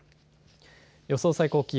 予想最高気温。